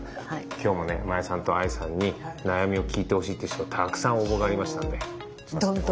今日もね真矢さんとＡＩさんに悩みを聞いてほしいっていう人からたくさん応募がありましたので。